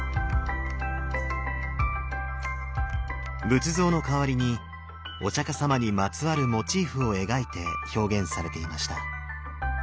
仏像の代わりにお釈様にまつわるモチーフを描いて表現されていました。